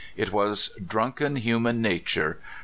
It was drunken human nature.